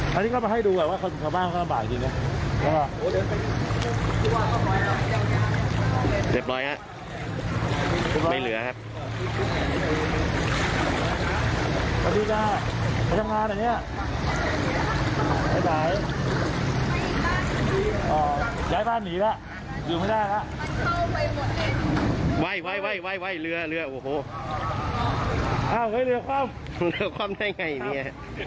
จุดนี้